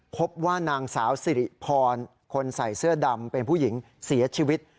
พบว่านางสาวสิริพรคนใส่เสื้อดำเป็นผู้หญิงเสียชีวิต